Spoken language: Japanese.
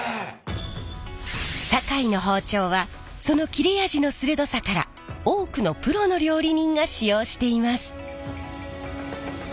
堺の包丁はその切れ味の鋭さから多くのプロの料理人が使用しています。